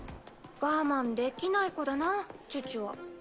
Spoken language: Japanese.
我慢できない子だなチュチュは。